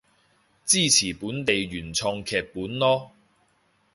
支持本地原創劇本囉